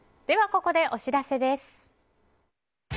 ここで、お知らせです。